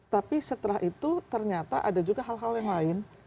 tapi setelah itu ternyata ada juga hal hal yang lain